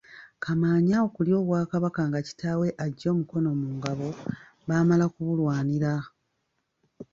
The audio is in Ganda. Kamaanya okulya Obwakabaka nga kitaawe aggye omukono mu Ngabo, baamala kubulwanira.